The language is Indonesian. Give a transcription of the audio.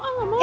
nggak mau ma